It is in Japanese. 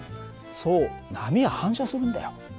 そう波は反射するんだよ。